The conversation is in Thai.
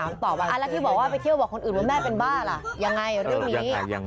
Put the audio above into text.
แล้วที่บอกว่าไปเที่ยวบอกคนอื่นว่าแม่เป็นบ้าล่ะยังไงเรื่องนี้